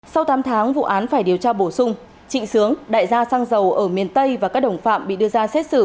sau tám tháng vụ án phải điều tra bổ sung trịnh sướng đại gia xăng dầu ở miền tây và các đồng phạm bị đưa ra xét xử